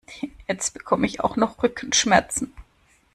Jetzt bekomme ich auch noch Rückenschmerzen!